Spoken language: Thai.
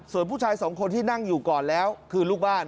ส่วนผู้ชายสองคนที่นั่งอยู่ก่อนแล้วคือลูกบ้าน